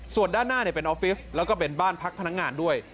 ส่วนด้านหน้าเป็นออฟฟิศแล้วก็เป็นบ้านพักพนักงานด้วย